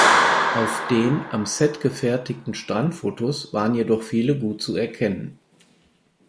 Auf den am Set gefertigten Standfotos waren jedoch viele gut zu erkennen.